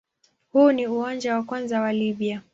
Huu ni uwanja wa kwanza wa Libya.